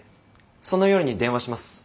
その夜に電話します。